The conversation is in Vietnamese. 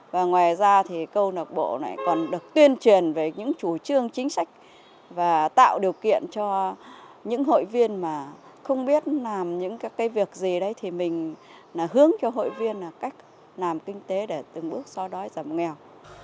và ngoài ra thì câu lạc bộ này còn được tuyên truyền về những chủ trương chính sách và tạo điều kiện cho những hội viên mà không biết làm những cái việc gì đấy thì mình hướng cho hội viên là cách làm kinh tế để từng bước so đói giảm nghèo